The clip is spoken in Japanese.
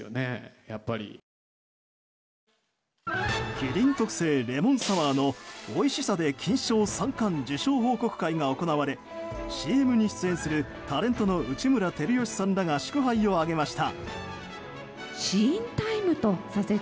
麒麟特製レモンサワーのおいしさで金賞三冠受賞報告会が行われＣＭに出演するタレントの内村光良さんらが祝杯を挙げました。